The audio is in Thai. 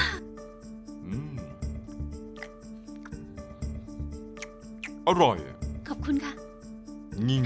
ซุปไก่เมื่อผ่านการต้มก็จะเข้มขึ้น